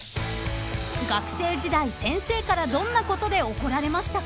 ［学生時代先生からどんなことで怒られましたか？］